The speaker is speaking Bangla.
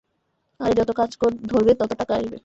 আরে যত কাজ ধরবে, তত টাকা আসবে।